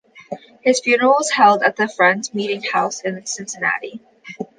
His funeral was held at the Friends Meeting House of Cincinnati.